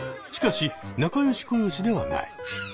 しかし仲よし小よしではない。